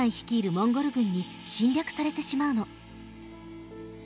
モンゴル軍に侵略されてしまうの。